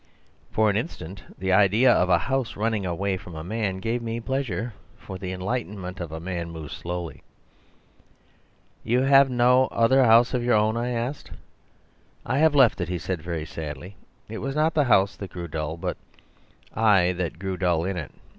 For an instant the idea of a house running away from a man gave me pleasure, for the enlightenment of man moves slowly. "'Have you no other house of your own?' I asked. "'I have left it,' he said very sadly. 'It was not the house that grew dull, but I that grew dull in it.